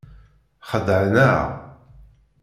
Xedɛen-aɣ.